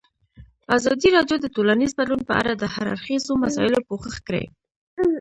ازادي راډیو د ټولنیز بدلون په اړه د هر اړخیزو مسایلو پوښښ کړی.